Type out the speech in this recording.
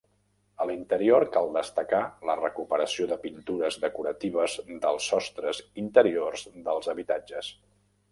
A l'interior cal destacar la recuperació de pintures decoratives dels sostres interiors dels habitatges.